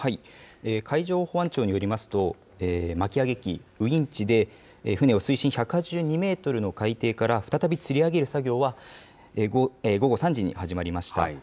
海上保安庁によりますと、巻き上げ機、ウインチで船を水深１８２メートルの海底から再びつり上げる作業は、午後３時に始まりました。